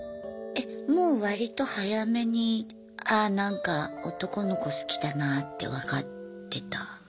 もう割と早めにああなんか男の子好きだなって分かってた？